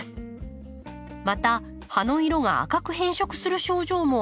また葉の色が赤く変色する症状も現れます。